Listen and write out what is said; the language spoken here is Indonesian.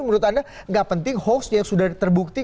menurut anda nggak penting hoax yang sudah terbukti